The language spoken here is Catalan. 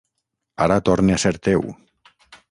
Ara torne a ser teu.